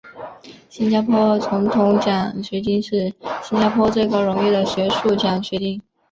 新加坡总统奖学金是新加坡最高荣誉的学术奖学金。